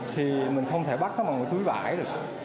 thì mình không thể bắt nó bằng túi bãi được